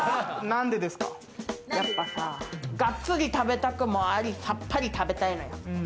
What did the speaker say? やっぱりさ、ガッツリ食べたくもあり、さっぱり食べたい。